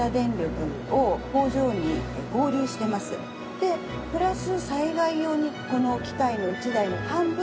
でプラス。